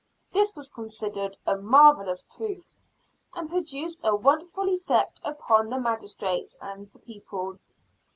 This was considered a marvelous proof; and produced a wonderful effect upon the magistrates and the people.